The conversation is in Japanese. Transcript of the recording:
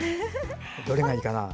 どれがいいかな？